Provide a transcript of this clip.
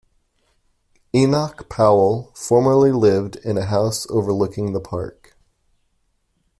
Enoch Powell formerly lived in a house overlooking the park.